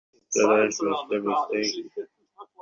বিপ্রদাস বুঝলে কিছুতেই নরম হবার আশা নেই।